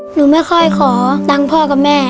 หนูไม่ค่อยขอตังค์พ่อกับแม่